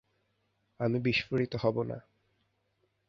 আমি বিস্ফোরিত হবো না।